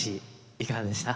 いかがでした？